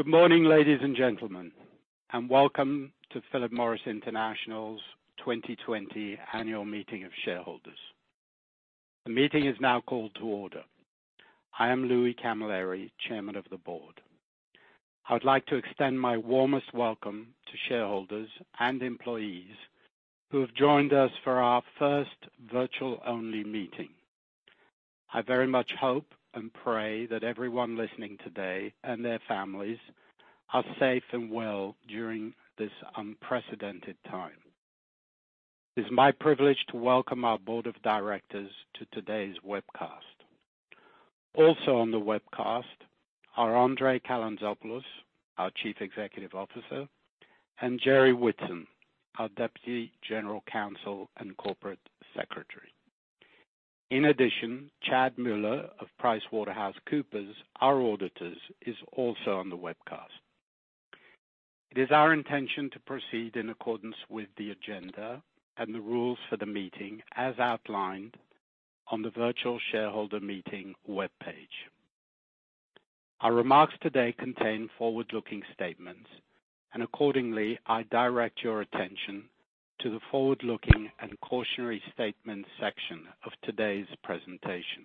Good morning, ladies and gentlemen, and welcome to Philip Morris International's 2020 Annual Meeting of Shareholders. The meeting is now called to order. I am Louis Camilleri, Chairman of the Board. I would like to extend my warmest welcome to shareholders and employees who have joined us for our first virtual-only meeting. I very much hope and pray that everyone listening today, and their families, are safe and well during this unprecedented time. It is my privilege to welcome our board of directors to today's webcast. Also on the webcast are André Calantzopoulos, our Chief Executive Officer, and Jerry Whitson, our Deputy General Counsel and Corporate Secretary. In addition, Chad Mueller of PricewaterhouseCoopers, our auditors, is also on the webcast. It is our intention to proceed in accordance with the agenda and the rules for the meeting, as outlined on the virtual shareholder meeting webpage. Our remarks today contain forward-looking statements. Accordingly, I direct your attention to the forward-looking and cautionary statements section of today's presentation.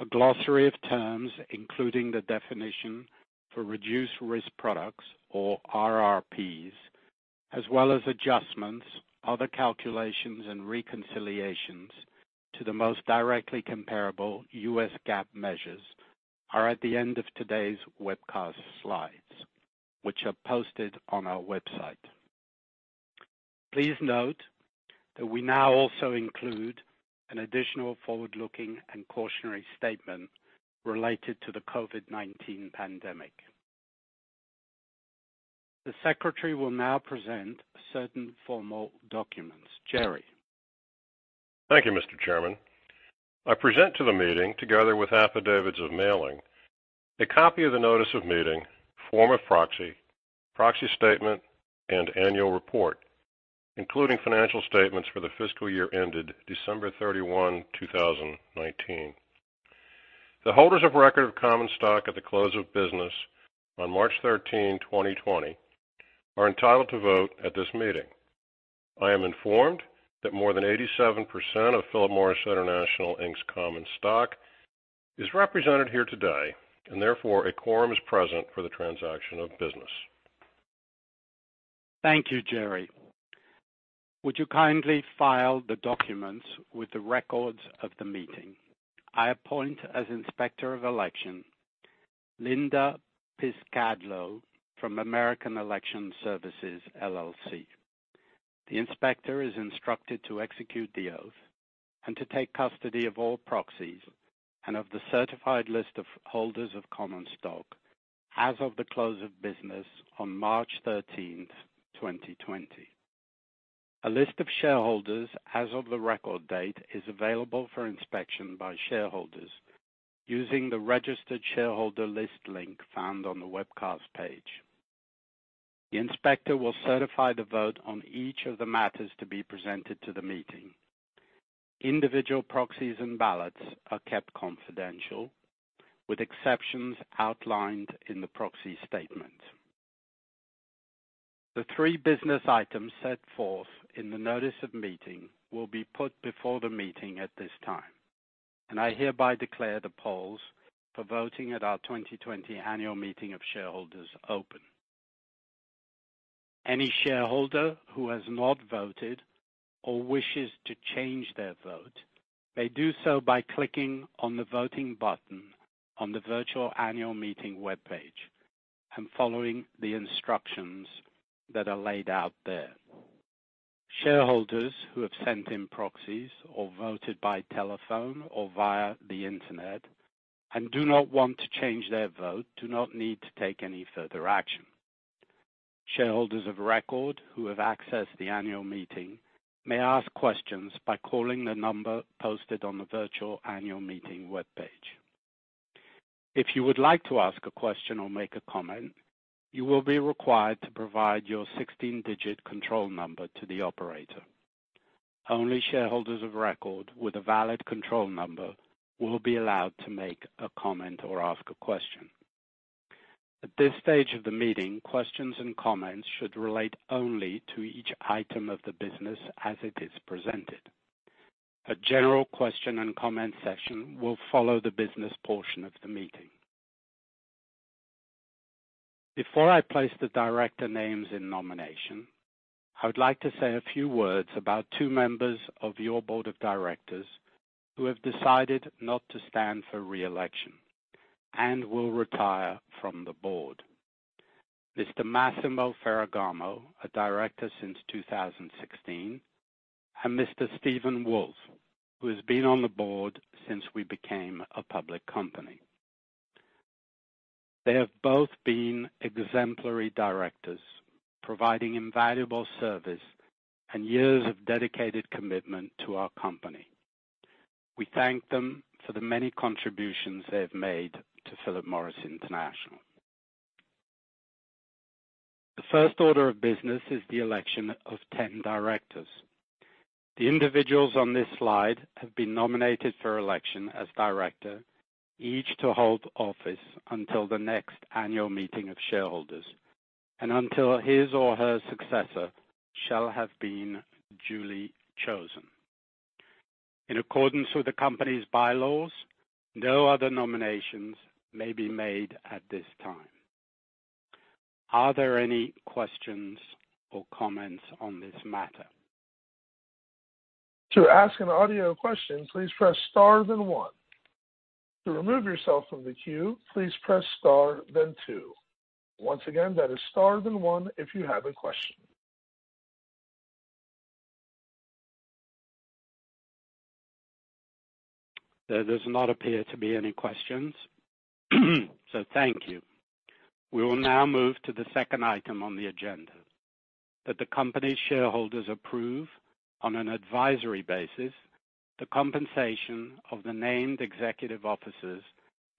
A glossary of terms, including the definition for reduced-risk products, or RRPs, as well as adjustments, other calculations, and reconciliations to the most directly comparable US GAAP measures, are at the end of today's webcast slides, which are posted on our website. Please note that we now also include an additional forward-looking and cautionary statement related to the COVID-19 pandemic. The secretary will now present certain formal documents. Jerry? Thank you, Mr. Chairman. I present to the meeting, together with affidavits of mailing, a copy of the notice of meeting, form of proxy statement, and annual report, including financial statements for the fiscal year ended December 31, 2019. The holders of record of common stock at the close of business on March 13, 2020, are entitled to vote at this meeting. I am informed that more than 87% of Philip Morris International Inc.'s common stock is represented here today, and therefore, a quorum is present for the transaction of business. Thank you, Jerry. Would you kindly file the documents with the records of the meeting? I appoint, as Inspector of Election, Linda Piscadlo from American Election Services, LLC. The inspector is instructed to execute the oath and to take custody of all proxies and of the certified list of holders of common stock as of the close of business on March 13th, 2020. A list of shareholders as of the record date is available for inspection by shareholders using the registered shareholder list link found on the webcast page. The inspector will certify the vote on each of the matters to be presented to the meeting. Individual proxies and ballots are kept confidential, with exceptions outlined in the proxy statement. The three business items set forth in the notice of meeting will be put before the meeting at this time, and I hereby declare the polls for voting at our 2020 Annual Meeting of Shareholders open. Any shareholder who has not voted or wishes to change their vote, may do so by clicking on the voting button on the virtual annual meeting webpage and following the instructions that are laid out there. Shareholders who have sent in proxies or voted by telephone or via the Internet and do not want to change their vote, do not need to take any further action. Shareholders of record who have accessed the annual meeting may ask questions by calling the number posted on the virtual annual meeting webpage. If you would like to ask a question or make a comment, you will be required to provide your 16-digit control number to the operator. Only shareholders of record with a valid control number will be allowed to make a comment or ask a question. At this stage of the meeting, questions and comments should relate only to each item of the business as it is presented. A general question and comment session will follow the business portion of the meeting. Before I place the director names in nomination, I would like to say a few words about two members of your Board of Directors who have decided not to stand for re-election and will retire from the board. Mr. Massimo Ferragamo, a director since 2016, and Mr. Stephen Wolf, who has been on the board since we became a public company. They have both been exemplary directors, providing invaluable service and years of dedicated commitment to our company. We thank them for the many contributions they have made to Philip Morris International. The first order of business is the election of 10 directors. The individuals on this slide have been nominated for election as director, each to hold office until the next annual meeting of shareholders and until his or her successor shall have been duly chosen. In accordance with the company's bylaws, no other nominations may be made at this time. Are there any questions or comments on this matter? To ask an audio question, please press star then one. To remove yourself from the queue, please press star then two. Once again, that is star then one if you have a question. There does not appear to be any questions. Thank you. We will now move to the second item on the agenda, that the company's shareholders approve, on an advisory basis, the compensation of the named executive officers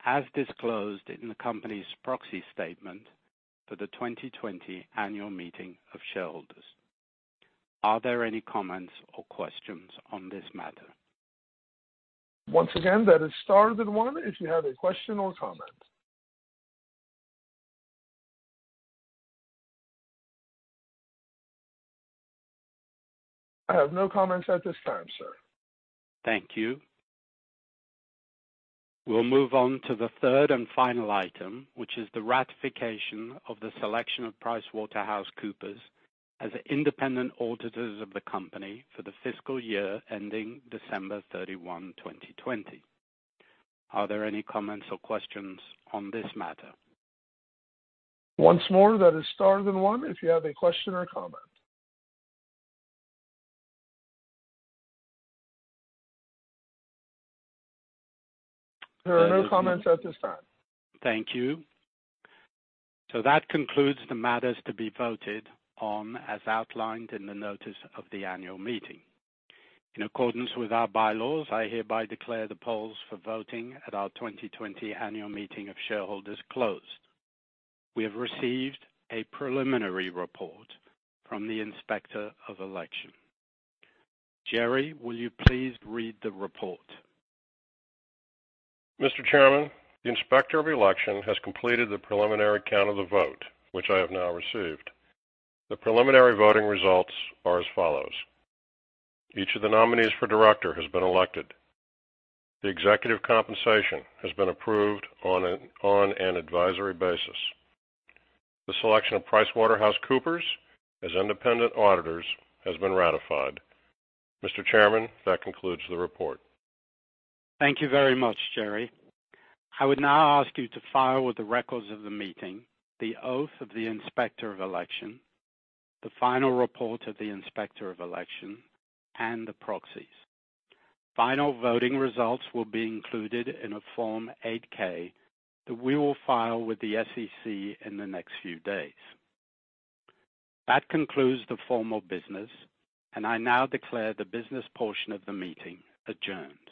as disclosed in the company's proxy statement for the 2020 annual meeting of shareholders. Are there any comments or questions on this matter? Once again, that is star then one if you have a question or comment. I have no comments at this time, sir. Thank you. We'll move on to the third and final item, which is the ratification of the selection of PricewaterhouseCoopers as independent auditors of the company for the fiscal year ending December 31, 2020. Are there any comments or questions on this matter? Once more, that is star then one if you have a question or comment. There are no comments at this time. Thank you. That concludes the matters to be voted on as outlined in the notice of the annual meeting. In accordance with our bylaws, I hereby declare the polls for voting at our 2020 annual meeting of shareholders closed. We have received a preliminary report from the Inspector of Election. Jerry, will you please read the report? Mr. Chairman, the Inspector of Election has completed the preliminary count of the vote, which I have now received. The preliminary voting results are as follows. Each of the nominees for director has been elected. The executive compensation has been approved on an advisory basis. The selection of PricewaterhouseCoopers as independent auditors has been ratified. Mr. Chairman, that concludes the report. Thank you very much, Jerry. I would now ask you to file with the records of the meeting the oath of the Inspector of Election, the final report of the Inspector of Election, and the proxies. Final voting results will be included in a Form 8-K that we will file with the SEC in the next few days. That concludes the formal business, and I now declare the business portion of the meeting adjourned.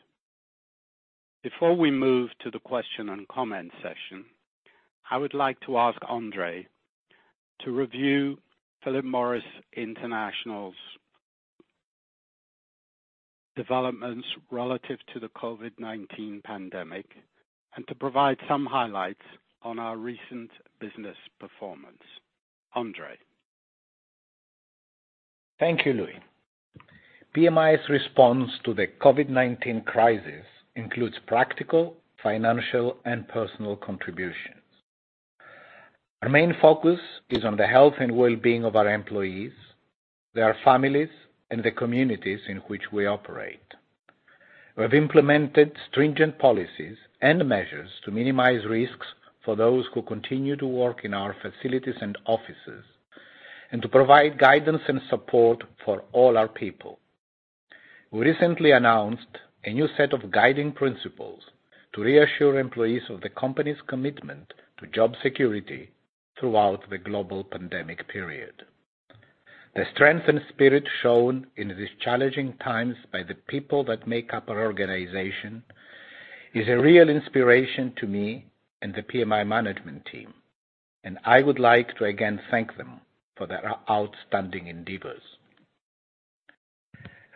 Before we move to the question and comment session, I would like to ask André to review Philip Morris International's developments relative to the COVID-19 pandemic and to provide some highlights on our recent business performance. André? Thank you, Louis. PMI's response to the COVID-19 crisis includes practical, financial, and personal contributions. Our main focus is on the health and well-being of our employees, their families, and the communities in which we operate. We have implemented stringent policies and measures to minimize risks for those who continue to work in our facilities and offices and to provide guidance and support for all our people. We recently announced a new set of guiding principles to reassure employees of the company's commitment to job security throughout the global pandemic period. The strength and spirit shown in these challenging times by the people that make up our organization is a real inspiration to me and the PMI management team, and I would like to again thank them for their outstanding endeavors.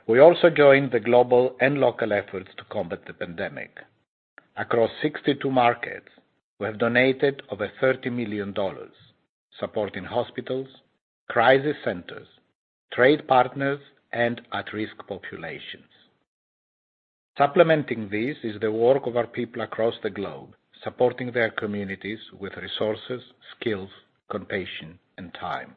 We also joined the global and local efforts to combat the pandemic. Across 62 markets, we have donated over $30 million, supporting hospitals, crisis centers, trade partners, and at-risk populations. Supplementing this is the work of our people across the globe, supporting their communities with resources, skills, compassion, and time.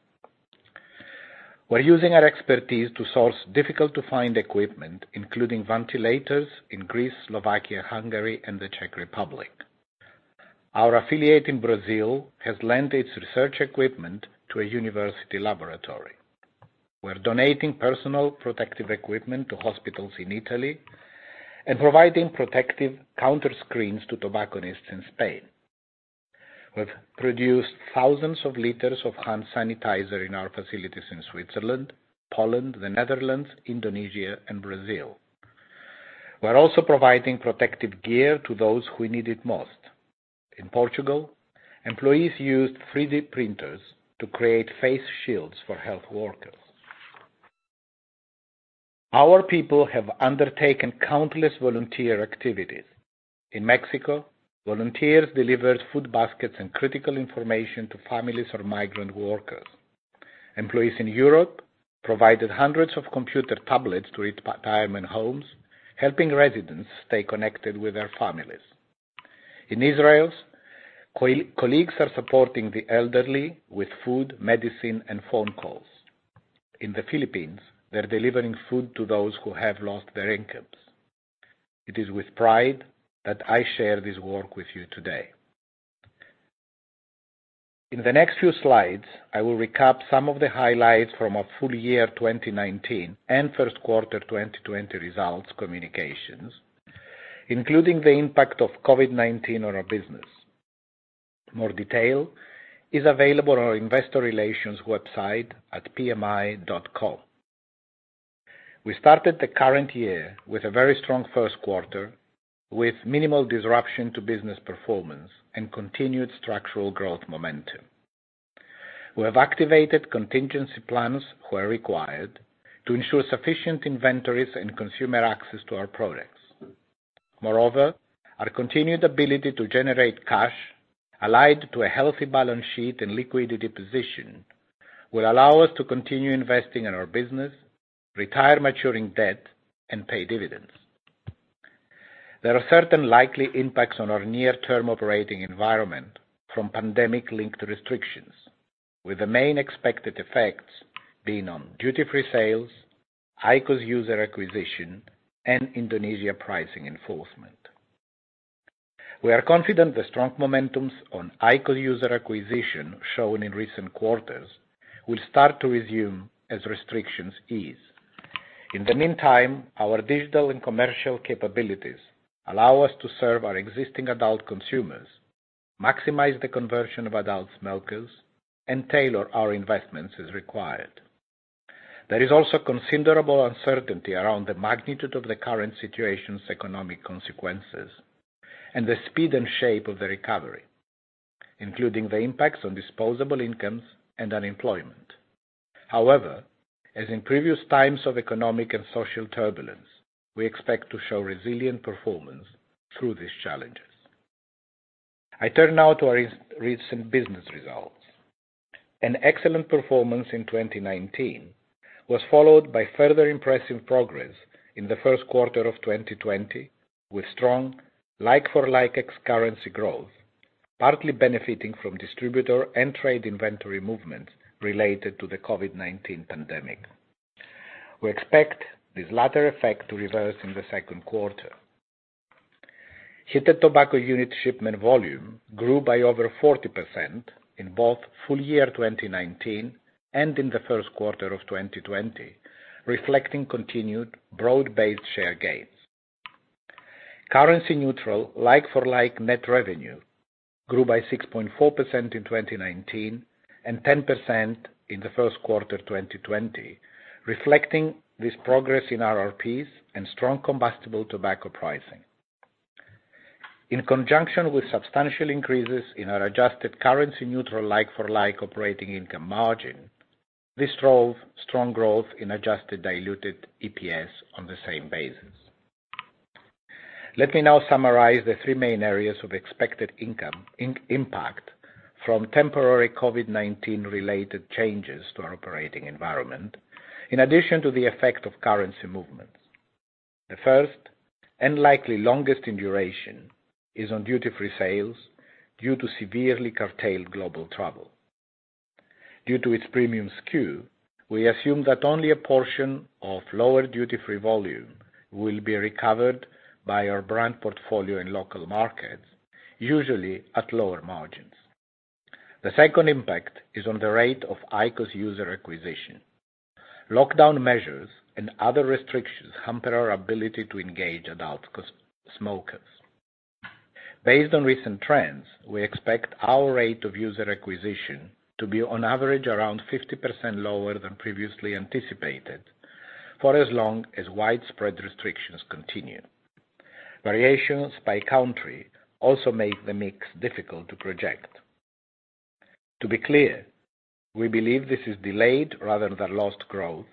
We're using our expertise to source difficult-to-find equipment, including ventilators in Greece, Slovakia, Hungary, and the Czech Republic. Our affiliate in Brazil has lent its research equipment to a university laboratory. We're donating personal protective equipment to hospitals in Italy and providing protective counter screens to tobacconists in Spain. We've produced thousands of liters of hand sanitizer in our facilities in Switzerland, Poland, the Netherlands, Indonesia, and Brazil. We're also providing protective gear to those who need it most. In Portugal, employees used 3D printers to create face shields for health workers. Our people have undertaken countless volunteer activities. In Mexico, volunteers delivered food baskets and critical information to families of migrant workers. Employees in Europe provided hundreds of computer tablets to retirement homes, helping residents stay connected with their families. In Israel, colleagues are supporting the elderly with food, medicine, and phone calls. In the Philippines, they're delivering food to those who have lost their incomes. It is with pride that I share this work with you today. In the next few slides, I will recap some of the highlights from our full year 2019 and first quarter 2020 results communications, including the impact of COVID-19 on our business. More detail is available on our investor relations website at pmi.com. We started the current year with a very strong first quarter, with minimal disruption to business performance and continued structural growth momentum. We have activated contingency plans where required to ensure sufficient inventories and consumer access to our products. Moreover, our continued ability to generate cash allied to a healthy balance sheet and liquidity position will allow us to continue investing in our business, retire maturing debt, and pay dividends. There are certain likely impacts on our near-term operating environment from pandemic-linked restrictions, with the main expected effects being on duty-free sales, IQOS user acquisition, and Indonesia pricing enforcement. We are confident the strong momentums on IQOS user acquisition shown in recent quarters will start to resume as restrictions ease. In the meantime, our digital and commercial capabilities allow us to serve our existing adult consumers, maximize the conversion of adult smokers, and tailor our investments as required. There is also considerable uncertainty around the magnitude of the current situation's economic consequences and the speed and shape of the recovery, including the impacts on disposable incomes and unemployment. However, as in previous times of economic and social turbulence, we expect to show resilient performance through these challenges. I turn now to our recent business results. An excellent performance in 2019 was followed by further impressive progress in the first quarter of 2020 with strong like-for-like exchange currency growth, partly benefiting from distributor and trade inventory movements related to the COVID-19 pandemic. We expect this latter effect to reverse in the second quarter. Heated tobacco unit shipment volume grew by over 40% in both full year 2019 and in the first quarter of 2020, reflecting continued broad-based share gains. Currency neutral like-for-like net revenue grew by 6.4% in 2019 and 10% in the first quarter 2020, reflecting this progress in our RRPs and strong combustible tobacco pricing. In conjunction with substantial increases in our adjusted currency neutral like-for-like operating income margin, this drove strong growth in adjusted diluted EPS on the same basis. Let me now summarize the three main areas of expected impact from temporary COVID-19-related changes to our operating environment, in addition to the effect of currency movements. The first, and likely longest in duration, is on duty-free sales due to severely curtailed global travel. Due to its premium SKU, we assume that only a portion of lower duty-free volume will be recovered by our brand portfolio in local markets, usually at lower margins. The second impact is on the rate of IQOS user acquisition. Lockdown measures and other restrictions hamper our ability to engage adult smokers. Based on recent trends, we expect our rate of user acquisition to be on average around 50% lower than previously anticipated for as long as widespread restrictions continue. Variations by country also make the mix difficult to project. To be clear, we believe this is delayed rather than lost growth,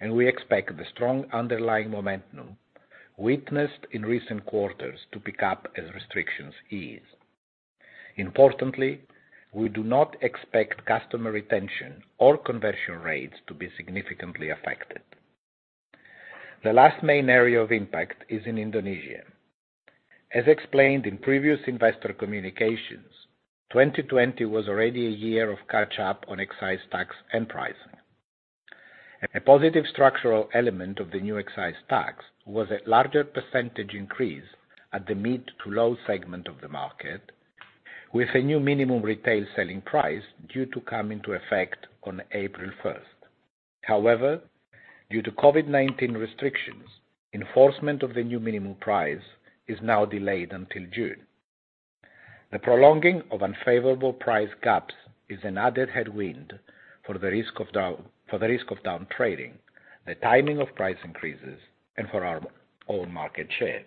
and we expect the strong underlying momentum witnessed in recent quarters to pick up as restrictions ease. Importantly, we do not expect customer retention or conversion rates to be significantly affected. The last main area of impact is in Indonesia. As explained in previous investor communications, 2020 was already a year of catch-up on excise tax and pricing. A positive structural element of the new excise tax was a larger percentage increase at the mid to low segment of the market with a new minimum retail selling price due to come into effect on April 1st. However, due to COVID-19 restrictions, enforcement of the new minimum price is now delayed until June. The prolonging of unfavorable price gaps is an added headwind for the risk of downtrading, the timing of price increases, and for our own market share.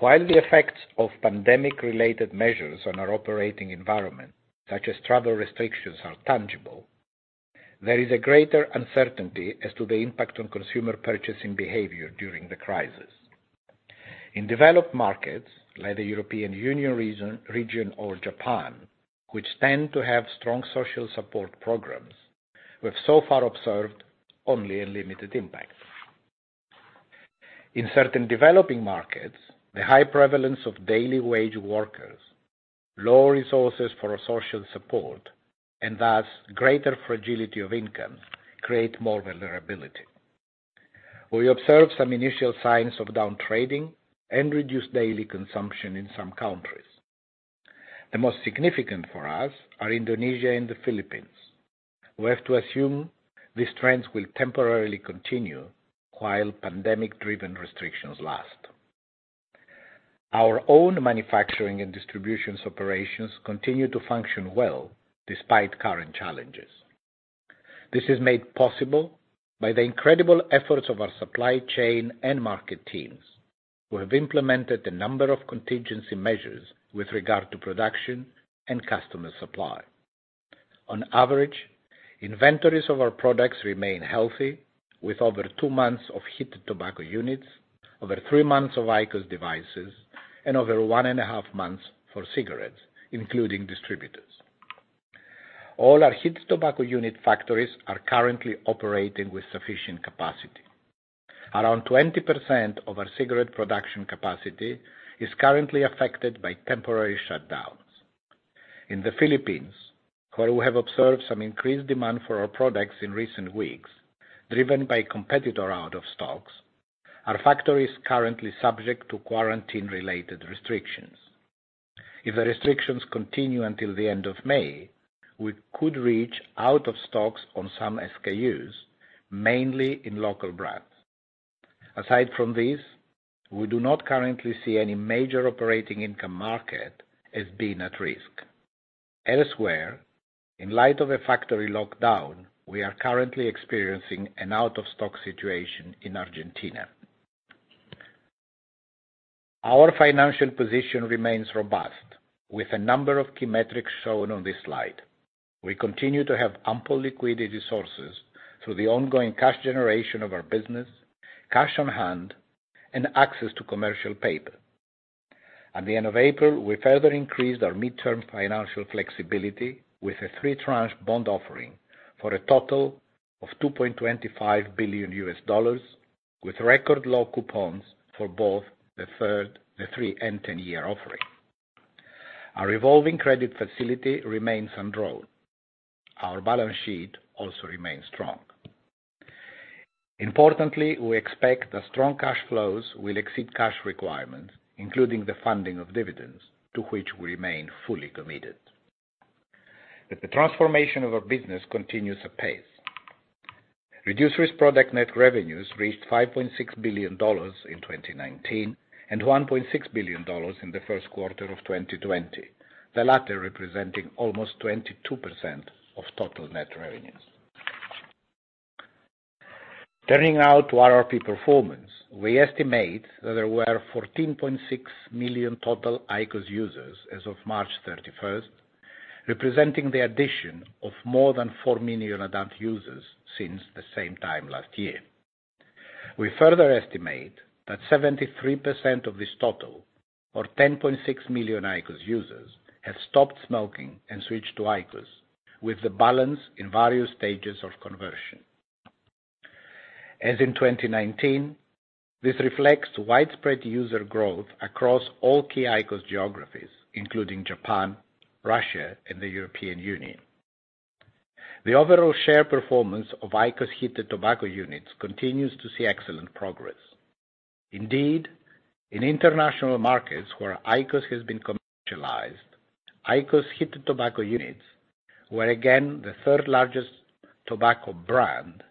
While the effects of pandemic-related measures on our operating environment, such as travel restrictions, are tangible, there is a greater uncertainty as to the impact on consumer purchasing behavior during the crisis. In developed markets, like the European Union region or Japan, which tend to have strong social support programs, we have so far observed only a limited impact. In certain developing markets, the high prevalence of daily wage workers, lower resources for social support, and thus greater fragility of income, create more vulnerability. We observe some initial signs of downtrading and reduced daily consumption in some countries. The most significant for us are Indonesia and the Philippines. We have to assume these trends will temporarily continue while pandemic-driven restrictions last. Our own manufacturing and distributions operations continue to function well despite current challenges. This is made possible by the incredible efforts of our supply chain and market teams, who have implemented a number of contingency measures with regard to production and customer supply. On average, inventories of our products remain healthy, with over two months of heated tobacco units, over three months of IQOS devices, and over one and a half months for cigarettes, including distributors. All our heated tobacco unit factories are currently operating with sufficient capacity. Around 20% of our cigarette production capacity is currently affected by temporary shutdowns. In the Philippines, where we have observed some increased demand for our products in recent weeks, driven by competitor out of stocks, our factory is currently subject to quarantine-related restrictions. If the restrictions continue until the end of May, we could reach out of stocks on some SKUs, mainly in local brands. Aside from this, we do not currently see any major operating income market as being at risk. Elsewhere, in light of a factory lockdown, we are currently experiencing an out-of-stock situation in Argentina. Our financial position remains robust with a number of key metrics shown on this slide. We continue to have ample liquidity sources through the ongoing cash generation of our business, cash on hand, and access to commercial paper. At the end of April, we further increased our midterm financial flexibility with a three-tranche bond offering for a total of $2.25 billion, with record low coupons for both the three and 10-year offering. Our revolving credit facility remains undrawn. Our balance sheet also remains strong. Importantly, we expect that strong cash flows will exceed cash requirements, including the funding of dividends, to which we remain fully committed. The transformation of our business continues apace. reduced-risk product net revenues reached $5.6 billion in 2019 and $1.6 billion in the first quarter of 2020, the latter representing almost 22% of total net revenues. Turning now to our RRP performance, we estimate that there were 14.6 million total IQOS users as of March 31st, representing the addition of more than 4 million adult users since the same time last year. We further estimate that 73% of this total, or 10.6 million IQOS users, have stopped smoking and switched to IQOS, with the balance in various stages of conversion. As in 2019, this reflects widespread user growth across all key IQOS geographies, including Japan, Russia, and the European Union. The overall share performance of IQOS heated tobacco units continues to see excellent progress. Indeed, in international markets where IQOS has been commercialized, IQOS heated tobacco units were again the third-largest tobacco brand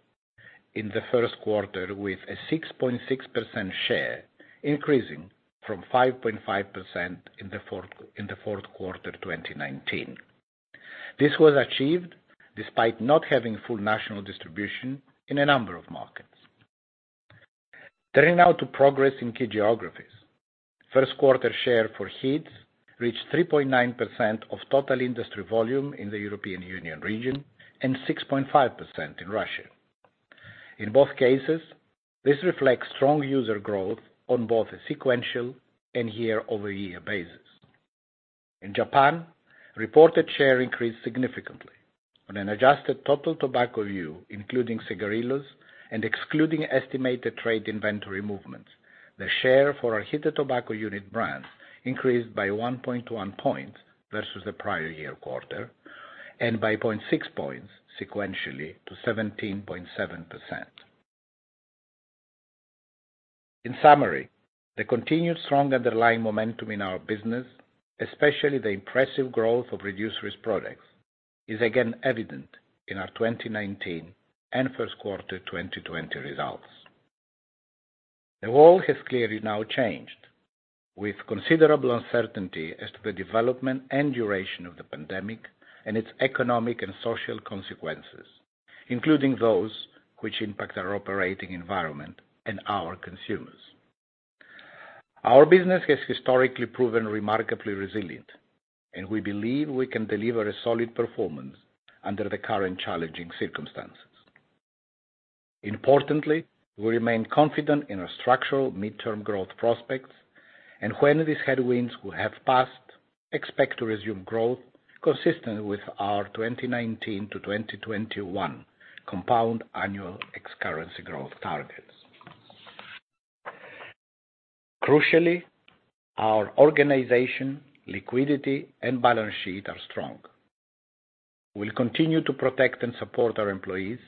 in the first quarter, with a 6.6% share increasing from 5.5% in the fourth quarter 2019. This was achieved despite not having full national distribution in a number of markets. Turning now to progress in key geographies. First quarter share for HEETS reached 3.9% of total industry volume in the European Union region and 6.5% in Russia. In both cases, this reflects strong user growth on both a sequential and year-over-year basis. In Japan, reported share increased significantly. On an adjusted total tobacco view, including cigarillos and excluding estimated trade inventory movements, the share for our heated tobacco unit brands increased by 1.1 points versus the prior year quarter and by 0.6 points sequentially to 17.7%. In summary, the continued strong underlying momentum in our business, especially the impressive growth of reduced-risk products, is again evident in our 2019 and first quarter 2020 results. The world has clearly now changed, with considerable uncertainty as to the development and duration of the pandemic and its economic and social consequences, including those which impact our operating environment and our consumers. Our business has historically proven remarkably resilient, and we believe we can deliver a solid performance under the current challenging circumstances. Importantly, we remain confident in our structural midterm growth prospects, and when these headwinds will have passed, expect to resume growth consistent with our 2019 to 2021 compound annual ex-currency growth targets. Crucially, our organization, liquidity, and balance sheet are strong. We'll continue to protect and support our employees,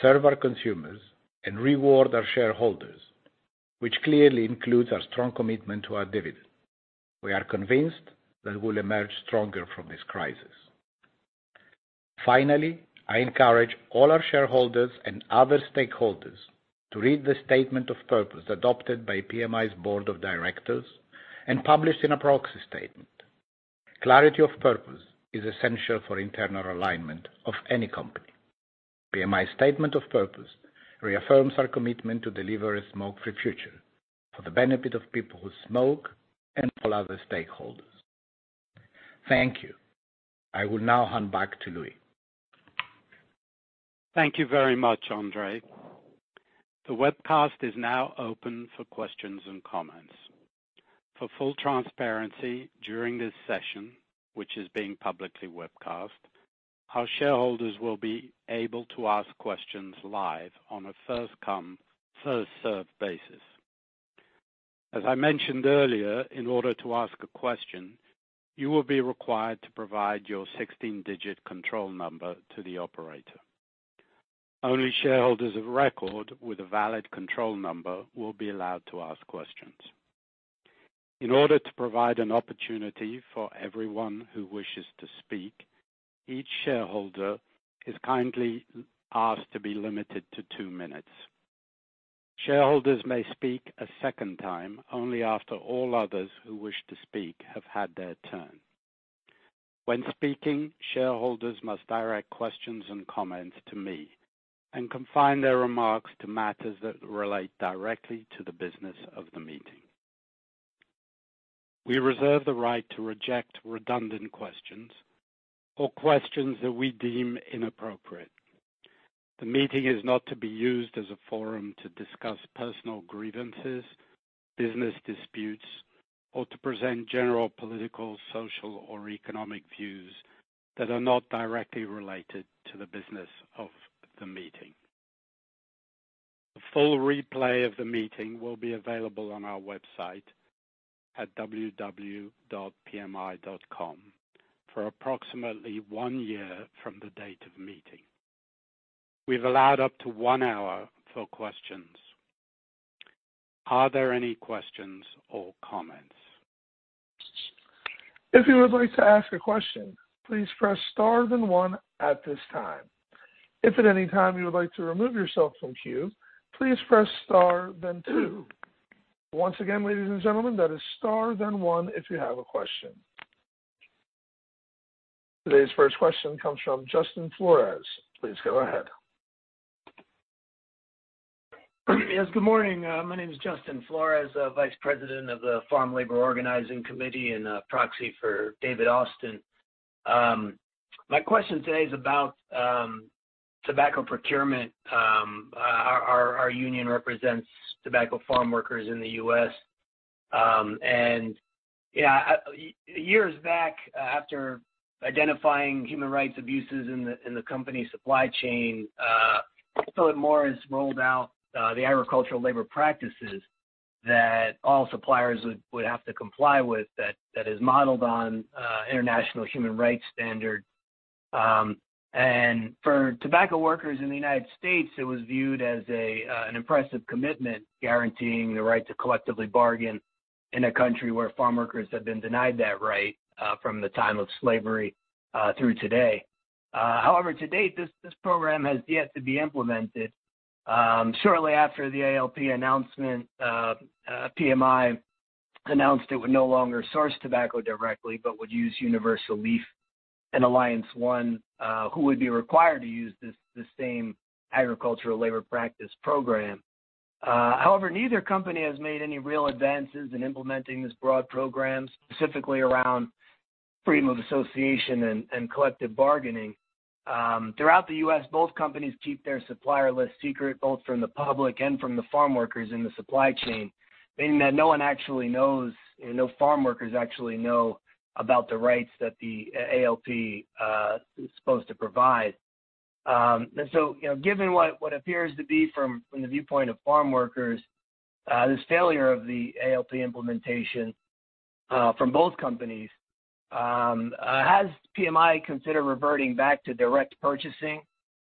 serve our consumers, and reward our shareholders, which clearly includes our strong commitment to our dividend. We are convinced that we'll emerge stronger from this crisis. Finally, I encourage all our shareholders and other stakeholders to read the statement of purpose adopted by PMI's Board of Directors and published in a proxy statement. Clarity of purpose is essential for internal alignment of any company. PMI's statement of purpose reaffirms our commitment to deliver a smoke-free future for the benefit of people who smoke and for other stakeholders. Thank you. I will now hand back to Louis. Thank you very much, André. The webcast is now open for questions and comments. For full transparency, during this session, which is being publicly webcast, our shareholders will be able to ask questions live on a first come, first served basis. As I mentioned earlier, in order to ask a question, you will be required to provide your 16-digit control number to the operator. Only shareholders of record with a valid control number will be allowed to ask questions. In order to provide an opportunity for everyone who wishes to speak, each shareholder is kindly asked to be limited to two minutes. Shareholders may speak a second time only after all others who wish to speak have had their turn. When speaking, shareholders must direct questions and comments to me and confine their remarks to matters that relate directly to the business of the meeting. We reserve the right to reject redundant questions or questions that we deem inappropriate. The meeting is not to be used as a forum to discuss personal grievances, business disputes, or to present general political, social, or economic views that are not directly related to the business of the meeting. A full replay of the meeting will be available on our website at www.pmi.com for approximately one year from the date of meeting. We've allowed up to one hour for questions. Are there any questions or comments? If you would like to ask a question, please press star then one at this time. If at any time you would like to remove yourself from queue, please press star then two. Once again, ladies and gentlemen, that is star then one if you have a question. Today's first question comes from Justin Flores. Please go ahead. Yes, good morning. My name is Justin Flores, Vice President of the Farm Labor Organizing Committee and proxy for David Austin. My question today is about tobacco procurement. Our union represents tobacco farm workers in the U.S. Years back, after identifying human rights abuses in the company supply chain, Philip Morris rolled out the Agricultural Labor Practices that all suppliers would have to comply with that is modeled on international human rights standard. For tobacco workers in the United States, it was viewed as an impressive commitment, guaranteeing the right to collectively bargain in a country where farm workers have been denied that right from the time of slavery through today. However, to date, this program has yet to be implemented. Shortly after the ALP announcement, PMI announced it would no longer source tobacco directly but would use Universal Leaf and Alliance One, who would be required to use this same Agricultural Labor Practices program. However, neither company has made any real advances in implementing this broad program, specifically around freedom of association and collective bargaining. Throughout the U.S., both companies keep their supplier list secret, both from the public and from the farm workers in the supply chain, meaning that no one actually knows, no farm workers actually know about the rights that the ALP is supposed to provide. Given what appears to be from the viewpoint of farm workers, this failure of the ALP implementation from both companies, has PMI considered reverting back to direct purchasing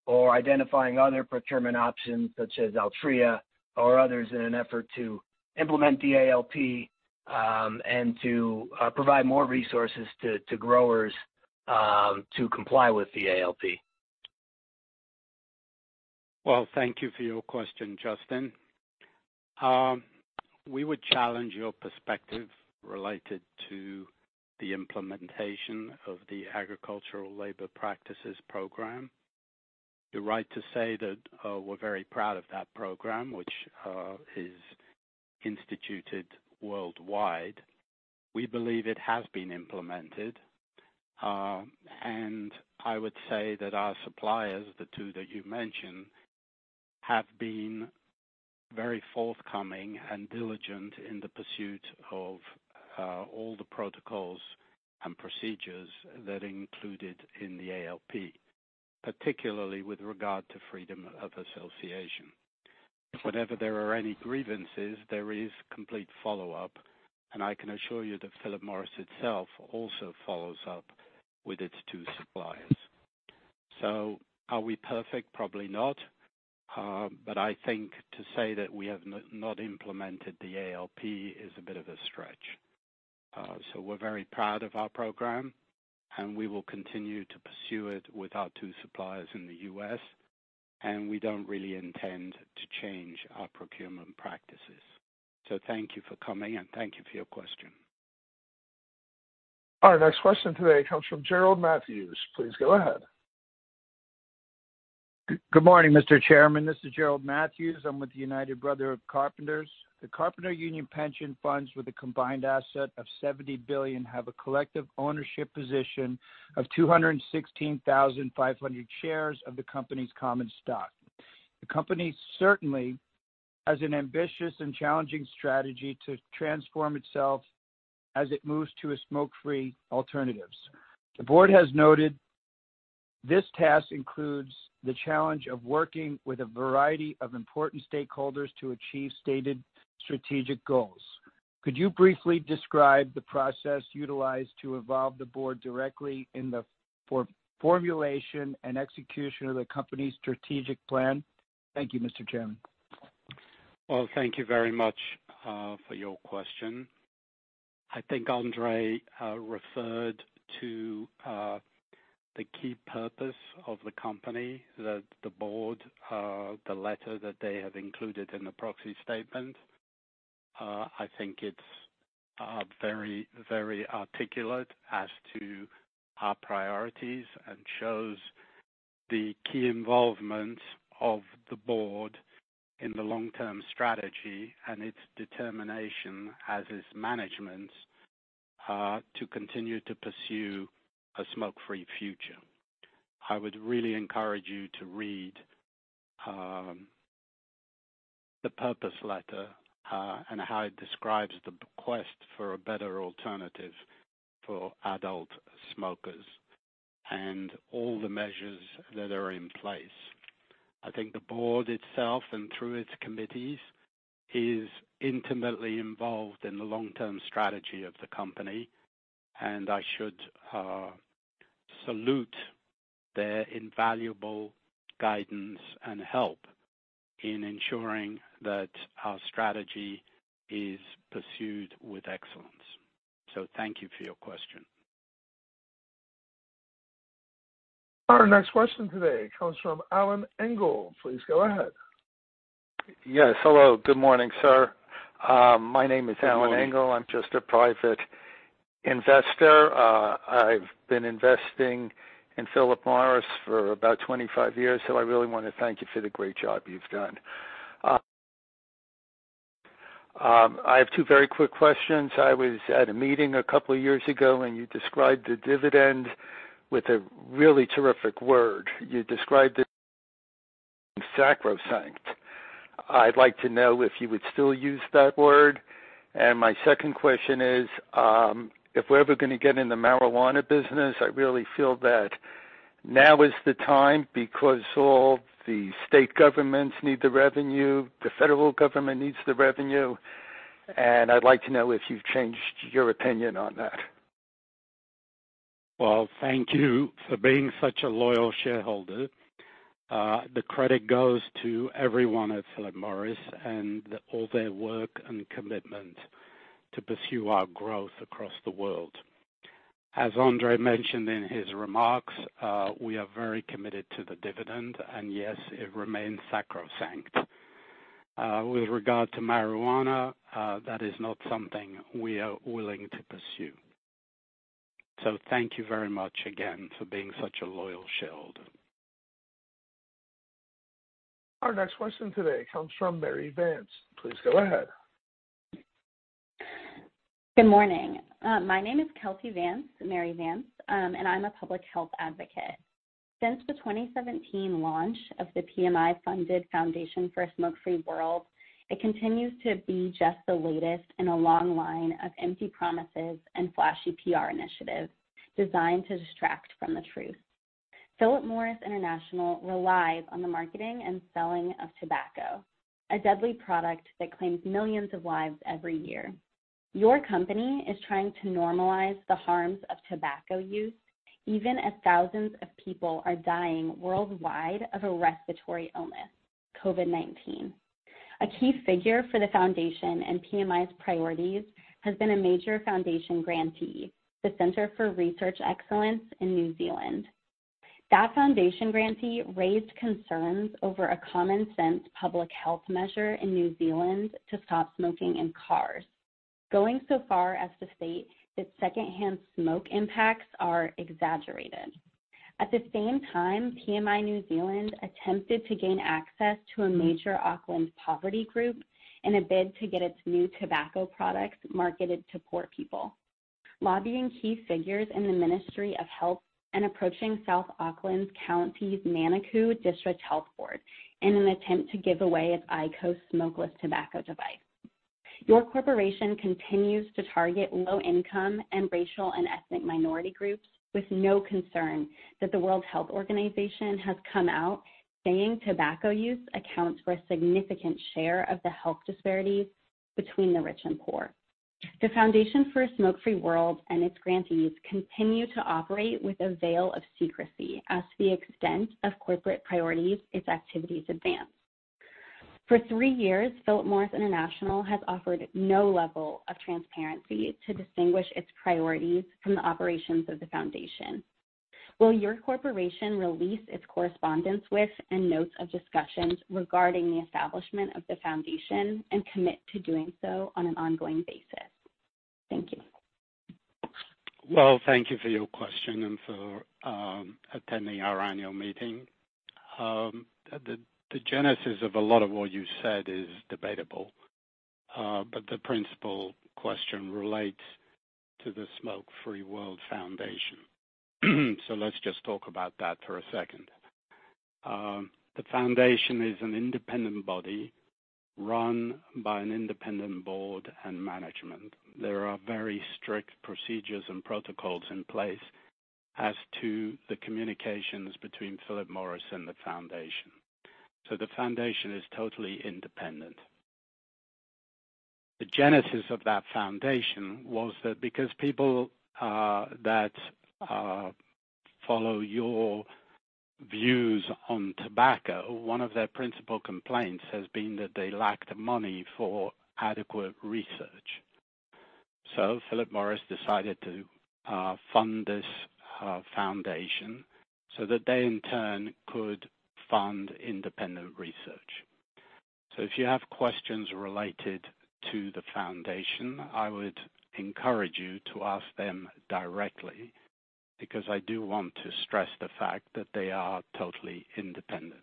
or identifying other procurement options such as Altria or others in an effort to implement the ALP and to provide more resources to growers to comply with the ALP? Well, thank you for your question, Justin. We would challenge your perspective related to the implementation of the Agricultural Labor Practices program. You're right to say that we're very proud of that program, which is instituted worldwide. We believe it has been implemented. I would say that our suppliers, the two that you mentioned, have been very forthcoming and diligent in the pursuit of all the protocols and procedures that are included in the ALP, particularly with regard to freedom of association. Whenever there are any grievances, there is complete follow-up, and I can assure you that Philip Morris itself also follows up with its two suppliers. Are we perfect? Probably not. I think to say that we have not implemented the ALP is a bit of a stretch. We're very proud of our program, and we will continue to pursue it with our two suppliers in the U.S., and we don't really intend to change our procurement practices. Thank you for coming, and thank you for your question. Our next question today comes from Gerald Matthews. Please go ahead. Good morning, Mr. Chairman. This is Gerald Matthews. I'm with the United Brotherhood of Carpenters. The Carpenters Union pension funds, with a combined asset of 70 billion, have a collective ownership position of 216,500 shares of the company's common stock. The company certainly has an ambitious and challenging strategy to transform itself as it moves to smoke-free alternatives. The board has noted this task includes the challenge of working with a variety of important stakeholders to achieve stated strategic goals. Could you briefly describe the process utilized to evolve the board directly in the formulation and execution of the company's strategic plan? Thank you, Mr. Chairman. Well, thank you very much for your question. I think André referred to the key purpose of the company, that the board, the letter that they have included in the proxy statement. I think it's very articulate as to our priorities and shows the key involvement of the board in the long-term strategy and its determination as is management to continue to pursue a smoke-free future. I would really encourage you to read the purpose letter, and how it describes the quest for a better alternative for adult smokers and all the measures that are in place. I think the board itself and through its committees, is intimately involved in the long-term strategy of the company, and I should salute their invaluable guidance and help in ensuring that our strategy is pursued with excellence. Thank you for your question. Our next question today comes from Alan Engel. Please go ahead. Yes. Hello. Good morning, sir. My name is- Good morning. Alan Engel. I'm just a private investor. I've been investing in Philip Morris for about 25 years, I really want to thank you for the great job you've done. I have two very quick questions. I was at a meeting a couple of years ago, you described the dividend with a really terrific word. You described it sacrosanct. I'd like to know if you would still use that word. My second question is, if we're ever going to get in the marijuana business, I really feel that now is the time because all the state governments need the revenue, the federal government needs the revenue, and I'd like to know if you've changed your opinion on that. Well, thank you for being such a loyal shareholder. The credit goes to everyone at Philip Morris and all their work and commitment to pursue our growth across the world. As André mentioned in his remarks, we are very committed to the dividend, and yes, it remains sacrosanct. With regard to marijuana, that is not something we are willing to pursue. Thank you very much again for being such a loyal shareholder. Our next question today comes from Mary Vance. Please go ahead. Good morning. My name is Kelsey Vance, Mary Vance, and I'm a public health advocate. Since the 2017 launch of the PMI-funded Foundation for a Smoke-Free World, it continues to be just the latest in a long line of empty promises and flashy PR initiatives designed to distract from the truth. Philip Morris International relies on the marketing and selling of tobacco, a deadly product that claims millions of lives every year. Your company is trying to normalize the harms of tobacco use, even as thousands of people are dying worldwide of a respiratory illness, COVID-19. A key figure for the foundation and PMI's priorities has been a major foundation grantee, the Centre for Research Excellence in New Zealand. That foundation grantee raised concerns over a common sense public health measure in New Zealand to stop smoking in cars, going so far as to state that secondhand smoke impacts are exaggerated. At the same time, PMI New Zealand attempted to gain access to a major Auckland poverty group in a bid to get its new tobacco products marketed to poor people, lobbying key figures in the Ministry of Health and approaching South Auckland's Counties Manukau District Health Board in an attempt to give away its IQOS smokeless tobacco device. Your corporation continues to target low income and racial and ethnic minority groups with no concern that the World Health Organization has come out saying tobacco use accounts for a significant share of the health disparities between the rich and poor. The Foundation for a Smoke-Free World and its grantees continue to operate with a veil of secrecy as to the extent of corporate priorities its activities advance. For three years, Philip Morris International has offered no level of transparency to distinguish its priorities from the operations of the foundation. Will your corporation release its correspondence with and notes of discussions regarding the establishment of the Foundation and commit to doing so on an ongoing basis? Thank you. Thank you for your question and for attending our annual meeting. The genesis of a lot of what you said is debatable, but the principal question relates to the Smoke-Free World Foundation. Let's just talk about that for a second. The foundation is an independent body run by an independent board and management. There are very strict procedures and protocols in place as to the communications between Philip Morris and the foundation. The foundation is totally independent. The genesis of that foundation was that because people that follow your views on tobacco, one of their principal complaints has been that they lacked money for adequate research. Philip Morris decided to fund this foundation so that they, in turn, could fund independent research. If you have questions related to the Foundation, I would encourage you to ask them directly, because I do want to stress the fact that they are totally independent.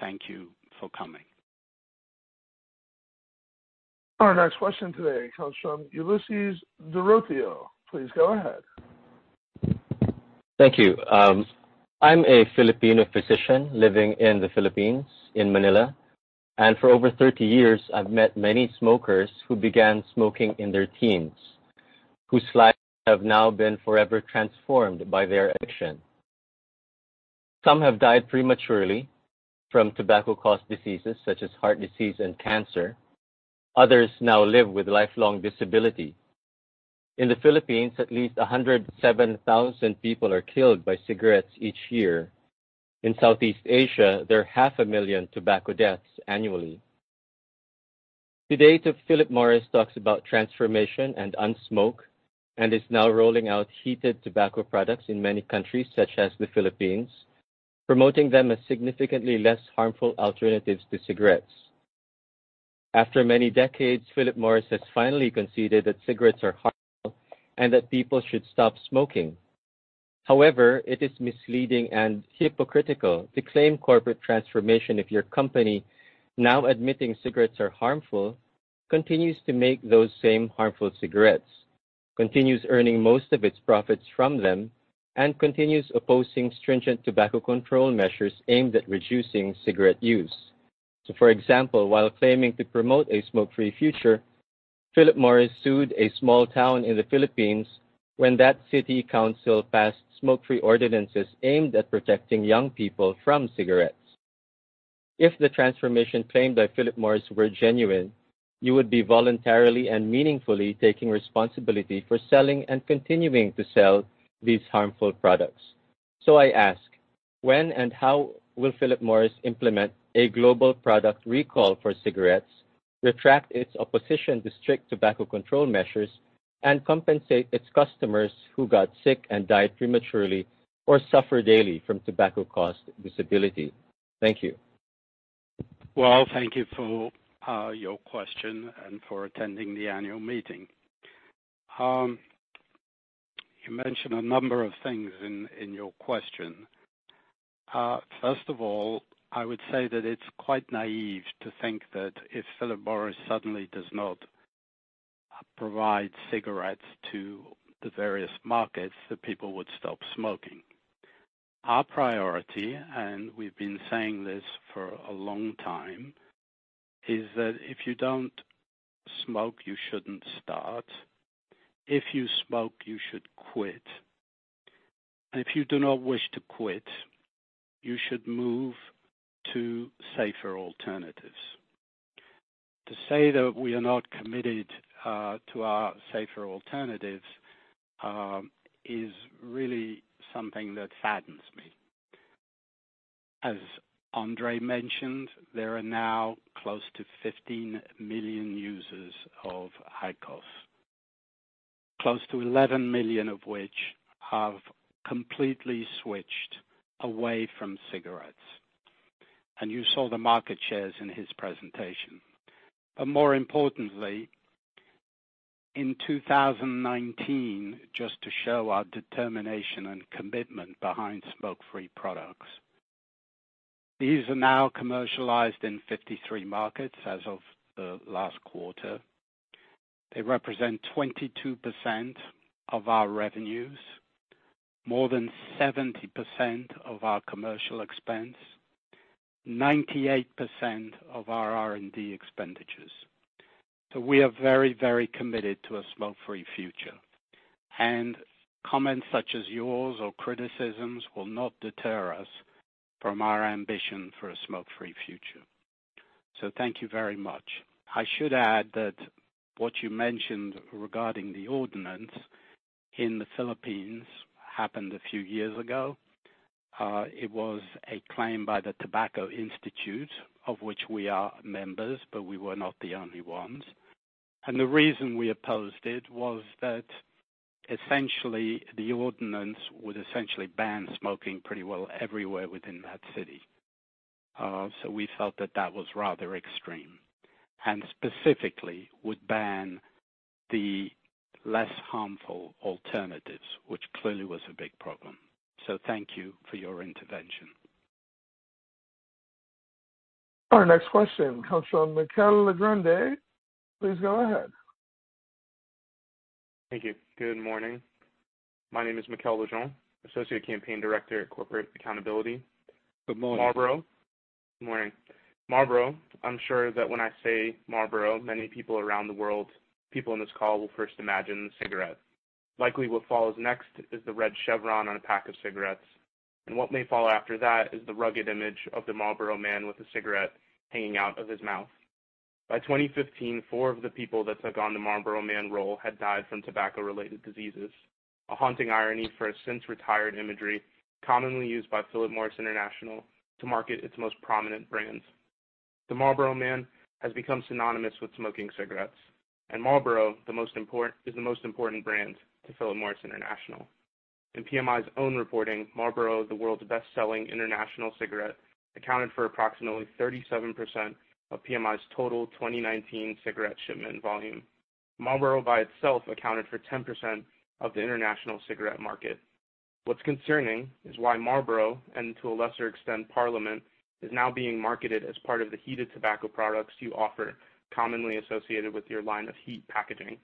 Thank you for coming. Our next question today comes from Ulysses Dorotheo. Please go ahead. Thank you. I'm a Filipino physician living in the Philippines, in Manila, and for over 30 years, I've met many smokers who began smoking in their teens, whose lives have now been forever transformed by their addiction. Some have died prematurely from tobacco-caused diseases such as heart disease and cancer. Others now live with lifelong disability. In the Philippines, at least 107,000 people are killed by cigarettes each year. In Southeast Asia, there are half a million tobacco deaths annually. To date, Philip Morris talks about transformation and Unsmoke, and is now rolling out heated tobacco products in many countries such as the Philippines, promoting them as significantly less harmful alternatives to cigarettes. After many decades, Philip Morris has finally conceded that cigarettes are harmful and that people should stop smoking. However, it is misleading and hypocritical to claim corporate transformation if your company, now admitting cigarettes are harmful, continues to make those same harmful cigarettes, continues earning most of its profits from them, and continues opposing stringent tobacco control measures aimed at reducing cigarette use. For example, while claiming to promote a smoke-free future, Philip Morris sued a small town in the Philippines when that city council passed smoke-free ordinances aimed at protecting young people from cigarettes. If the transformation claimed by Philip Morris were genuine, you would be voluntarily and meaningfully taking responsibility for selling and continuing to sell these harmful products. I ask, when and how will Philip Morris implement a global product recall for cigarettes, retract its opposition to strict tobacco control measures, and compensate its customers who got sick and died prematurely or suffer daily from tobacco-caused disability? Thank you. Well, thank you for your question and for attending the annual meeting. You mentioned a number of things in your question. First of all, I would say that it's quite naive to think that if Philip Morris suddenly does not provide cigarettes to the various markets, that people would stop smoking. Our priority, and we've been saying this for a long time, is that if you don't smoke, you shouldn't start. If you smoke, you should quit. If you do not wish to quit, you should move to safer alternatives. To say that we are not committed to our safer alternatives is really something that saddens me. As André mentioned, there are now close to 15 million users of IQOS, close to 11 million of which have completely switched away from cigarettes. You saw the market shares in his presentation. More importantly, in 2019, just to show our determination and commitment behind smoke-free products, these are now commercialized in 53 markets as of the last quarter. They represent 22% of our revenues, more than 70% of our commercial expense, 98% of our R&D expenditures. We are very committed to a smoke-free future. Comments such as yours or criticisms will not deter us from our ambition for a smoke-free future. Thank you very much. I should add that what you mentioned regarding the ordinance in the Philippines happened a few years ago. It was a claim by the Tobacco Institute, of which we are members, but we were not the only ones. The reason we opposed it was that essentially the ordinance would essentially ban smoking pretty well everywhere within that city. We felt that that was rather extreme, and specifically would ban the less harmful alternatives, which clearly was a big problem. Thank you for your intervention. Our next question comes from Mikkel Legrand. Please go ahead. Thank you. Good morning. My name is Mikkel Legrand, associate campaign director at Corporate Accountability. Good morning. Marlboro. Good morning. Marlboro, I'm sure that when I say Marlboro, many people around the world, people on this call will first imagine the cigarette. Likely what follows next is the red chevron on a pack of cigarettes. What may follow after that is the rugged image of the Marlboro Man with a cigarette hanging out of his mouth. By 2015, four of the people that took on the Marlboro Man role had died from tobacco-related diseases. A haunting irony for a since-retired imagery commonly used by Philip Morris International to market its most prominent brands. The Marlboro Man has become synonymous with smoking cigarettes, and Marlboro is the most important brand to Philip Morris International. In PMI's own reporting, Marlboro, the world's best-selling international cigarette, accounted for approximately 37% of PMI's total 2019 cigarette shipment volume. Marlboro by itself accounted for 10% of the international cigarette market. What's concerning is why Marlboro, and to a lesser extent, Parliament, is now being marketed as part of the heated tobacco products you offer, commonly associated with your line of heat packaging.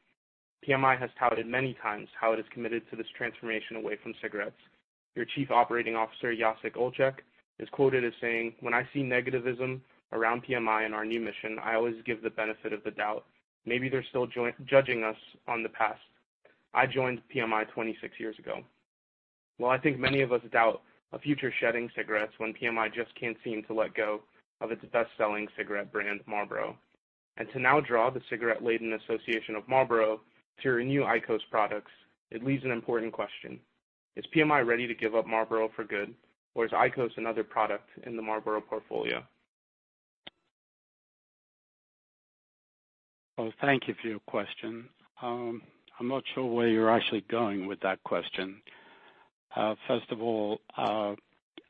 PMI has touted many times how it is committed to this transformation away from cigarettes. Your Chief Operating Officer, Jacek Olczak, is quoted as saying, "When I see negativism around PMI and our new mission, I always give the benefit of the doubt. Maybe they're still judging us on the past. I joined PMI 26 years ago." While I think many of us doubt a future shedding cigarettes when PMI just can't seem to let go of its best-selling cigarette brand, Marlboro. To now draw the cigarette-laden association of Marlboro to your new IQOS products, it leaves an important question. Is PMI ready to give up Marlboro for good, or is IQOS another product in the Marlboro portfolio? Well, thank you for your question. I am not sure where you are actually going with that question. First of all,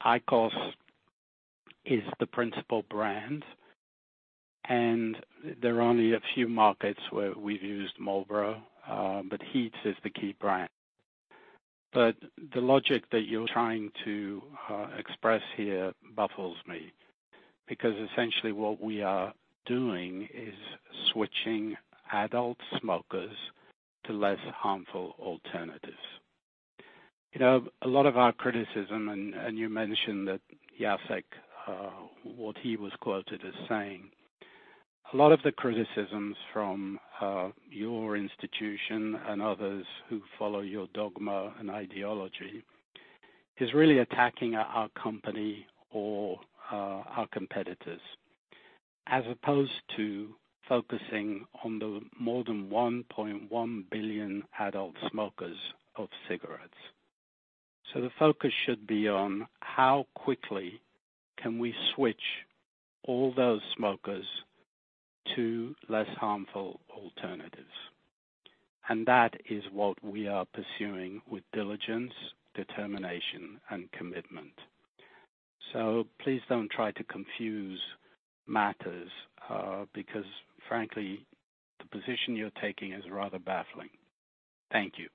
IQOS is the principal brand, and there are only a few markets where we have used Marlboro, but HEETS is the key brand. The logic that you are trying to express here baffles me, because essentially what we are doing is switching adult smokers to less harmful alternatives. A lot of our criticism, and you mentioned that Jacek, what he was quoted as saying, a lot of the criticisms from your institution and others who follow your dogma and ideology is really attacking our company or our competitors, as opposed to focusing on the more than 1.1 billion adult smokers of cigarettes. The focus should be on how quickly can we switch all those smokers to less harmful alternatives. That is what we are pursuing with diligence, determination, and commitment. Please don't try to confuse matters, because frankly, the position you're taking is rather baffling. Thank you.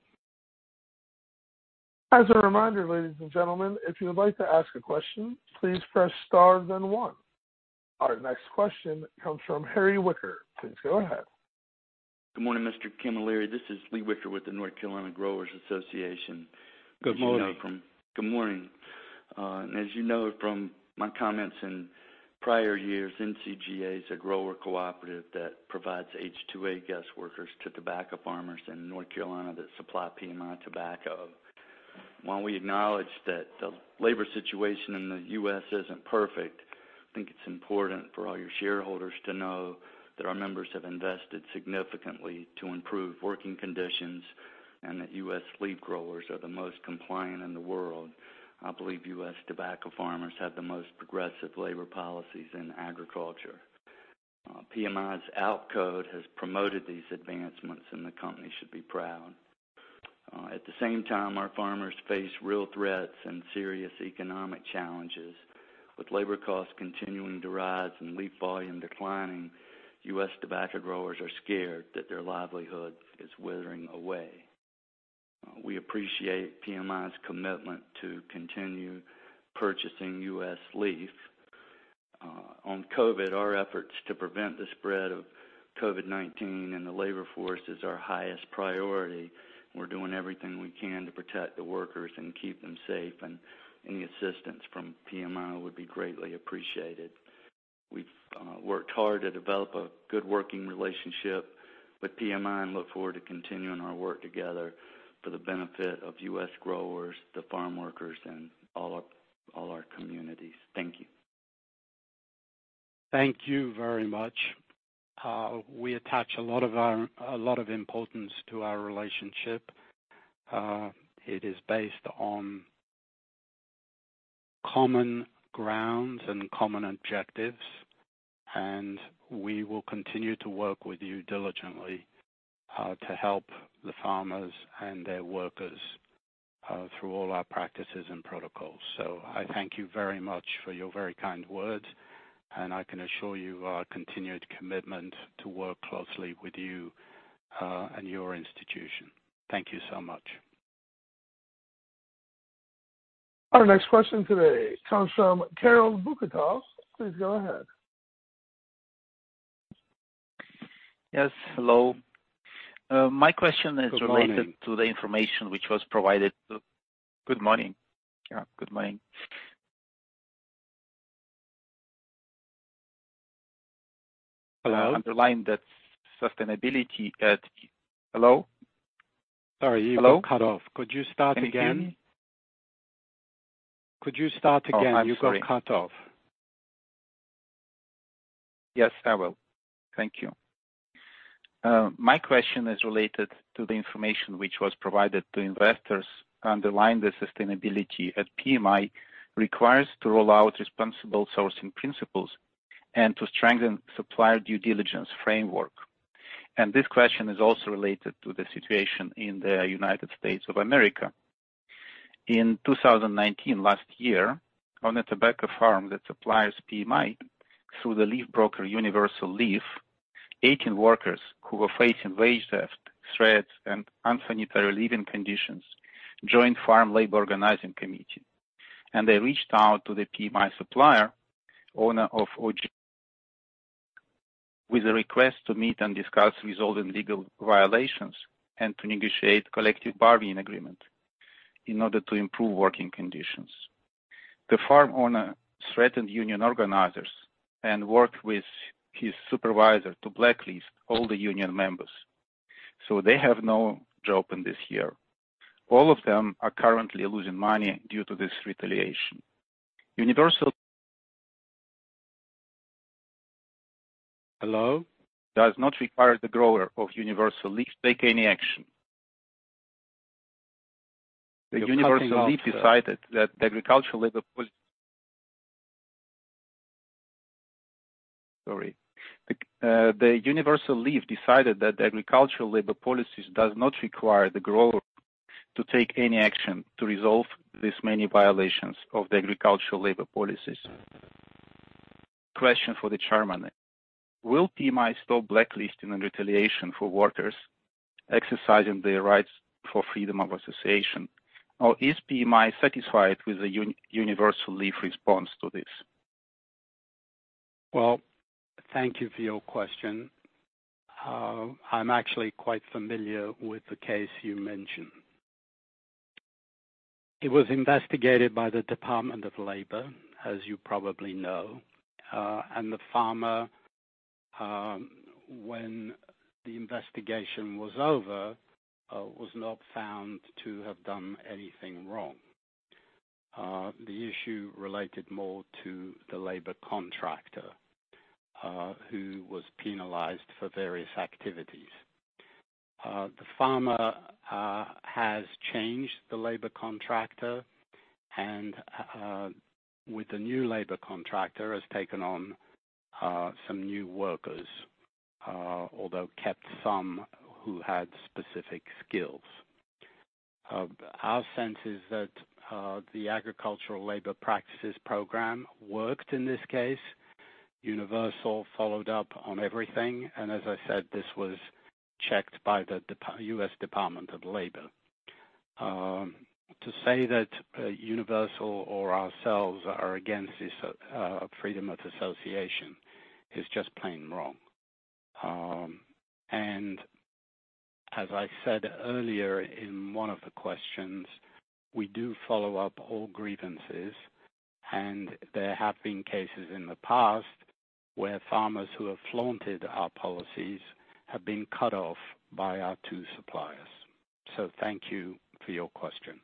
As a reminder, ladies and gentlemen, if you would like to ask a question, please press star then one. Our next question comes from Lee Wicker. Please go ahead. Good morning, Mr. Camilleri. This is Lee Wicker with the North Carolina Growers Association. Good morning. Good morning. As you know from my comments in prior years, NCGA is a grower cooperative that provides H-2A guest workers to tobacco farmers in North Carolina that supply PMI tobacco. While we acknowledge that the labor situation in the U.S. isn't perfect, I think it's important for all your shareholders to know that our members have invested significantly to improve working conditions, and that U.S. leaf growers are the most compliant in the world. I believe U.S. tobacco farmers have the most progressive labor policies in agriculture. PMI's ALP code has promoted these advancements, and the company should be proud. At the same time, our farmers face real threats and serious economic challenges. With labor costs continuing to rise and leaf volume declining, U.S. tobacco growers are scared that their livelihood is withering away. We appreciate PMI's commitment to continue purchasing U.S. leaf. On COVID-19, our efforts to prevent the spread of COVID-19 in the labor force is our highest priority. We're doing everything we can to protect the workers and keep them safe, and any assistance from PMI would be greatly appreciated. We've worked hard to develop a good working relationship with PMI and look forward to continuing our work together for the benefit of U.S. growers, the farm workers, and all our communities. Thank you. Thank you very much. We attach a lot of importance to our relationship. It is based on common grounds and common objectives, and we will continue to work with you diligently, to help the farmers and their workers through all our practices and protocols. I thank you very much for your very kind words, and I can assure you our continued commitment to work closely with you, and your institution. Thank you so much. Our next question today comes from Karol Bukatow. Please go ahead. Yes, hello. Good morning. Good morning. Yeah, good morning. Hello? Underline that sustainability at Hello? Sorry, you got cut off. Hello? Could you start again? Thank you. Could you start again? Oh, I'm sorry. You got cut off. Yes, I will. Thank you. My question is related to the information which was provided to investors underlying the sustainability that PMI requires to roll out responsible sourcing principles and to strengthen supplier due diligence framework. This question is also related to the situation in the United States of America. In 2019, last year, on a tobacco farm that supplies PMI through the leaf broker Universal Leaf, 18 workers who were facing wage theft, threats, and unsanitary living conditions, joined Farm Labor Organizing Committee. They reached out to the PMI supplier, owner of OG, with a request to meet and discuss resolving legal violations and to negotiate collective bargaining agreement in order to improve working conditions. The farm owner threatened union organizers and worked with his supervisor to blacklist all the union members, so they have no job in this year. All of them are currently losing money due to this retaliation. Hello? Does not require the grower of Universal Leaf to take any action. You're cutting off, sir. The Universal Leaf decided that the Agricultural Labor Practices does not require the grower to take any action to resolve this many violations of the Agricultural Labor Practices. Question for the Chairman. Will PMI stop blacklisting and retaliation for workers exercising their rights for freedom of association? Is PMI satisfied with the Universal Leaf response to this? Well, thank you for your question. I'm actually quite familiar with the case you mentioned. It was investigated by the Department of Labor, as you probably know, and the farmer, when the investigation was over, was not found to have done anything wrong. The issue related more to the labor contractor, who was penalized for various activities. The farmer has changed the labor contractor and, with the new labor contractor, has taken on some new workers, although kept some who had specific skills. Our sense is that, the Agricultural Labor Practices program worked in this case. Universal followed up on everything, and as I said, this was checked by the U.S. Department of Labor. To say that Universal or ourselves are against this freedom of association is just plain wrong. As I said earlier in one of the questions, we do follow up all grievances. And there have been cases in the past where farmers who have flaunted our policies have been cut off by our two suppliers. Thank you for your question.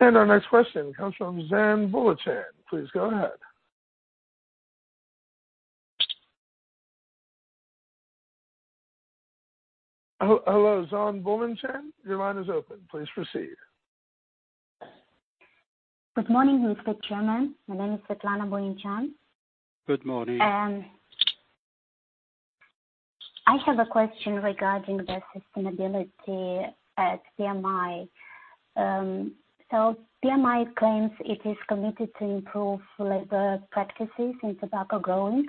Our next question comes from Svetlana Boluchan. Please go ahead. Hello, Svetlana Boluchan. Your line is open. Please proceed. Good morning, Mr. Chairman. My name is Svetlana Boluchan. Good morning. I have a question regarding the sustainability at PMI. PMI claims it is committed to improve labor practices in tobacco growing.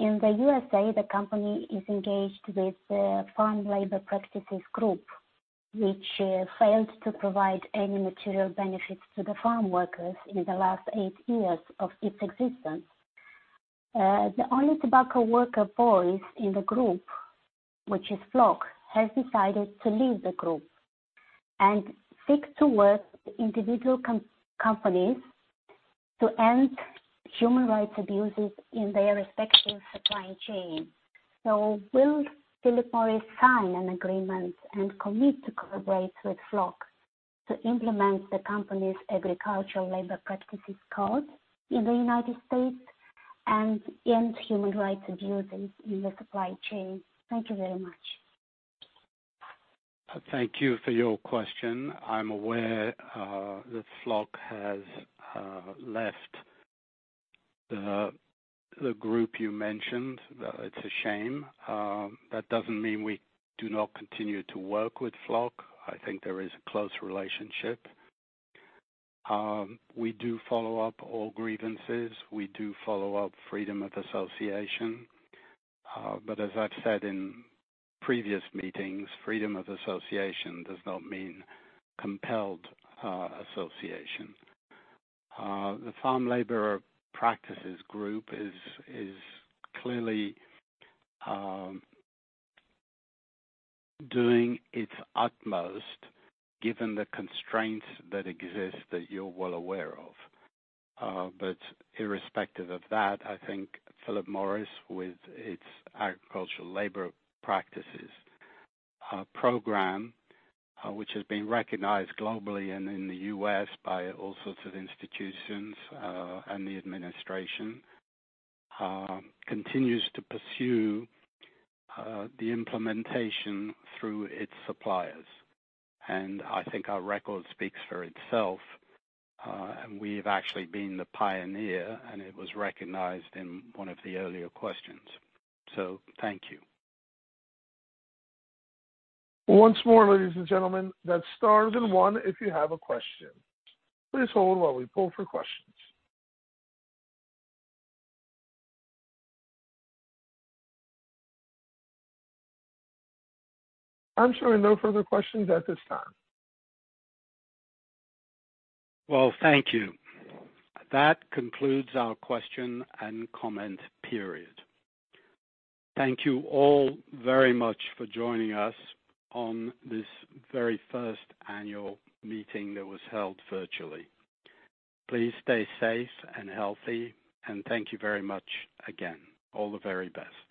In the U.S.A., the company is engaged with the Farm Labor Practices Group, which failed to provide any material benefits to the farm workers in the last eight years of its existence. The only tobacco worker voice in the group, which is FLOC, has decided to leave the group and seek to work with individual companies to end human rights abuses in their respective supply chain. Will Philip Morris sign an agreement and commit to collaborate with FLOC to implement the company's Agricultural Labor Practices code in the United States and end human rights abuses in the supply chain? Thank you very much. Thank you for your question. I'm aware that FLOC has left the group you mentioned. It's a shame. That doesn't mean we do not continue to work with FLOC. I think there is a close relationship. We do follow up all grievances. We do follow up freedom of association. As I've said in previous meetings, freedom of association does not mean compelled association. The Farm Labor Practices Group is clearly doing its utmost given the constraints that exist that you're well aware of. Irrespective of that, I think Philip Morris, with its Agricultural Labor Practices program, which has been recognized globally and in the U.S. by all sorts of institutions, and the administration, continues to pursue the implementation through its suppliers. I think our record speaks for itself. We've actually been the pioneer, and it was recognized in one of the earlier questions. Thank you. Once more, ladies and gentlemen, that's star then one, if you have a question. Please hold while we poll for questions. I am showing no further questions at this time. Well, thank you. That concludes our question and comment period. Thank you all very much for joining us on this very first annual meeting that was held virtually. Please stay safe and healthy, and thank you very much again. All the very best.